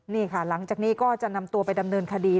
นี่ค่ะหลังจากนี้ก็จะนำตัวไปดำเนินคดี